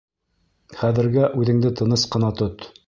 Хәҙергә үҙеңде тыныс ҡына тот.